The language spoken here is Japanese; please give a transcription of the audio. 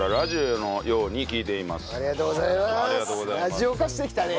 ラジオ化してきたね。